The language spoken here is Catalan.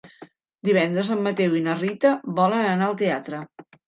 Divendres en Mateu i na Rita volen anar al teatre.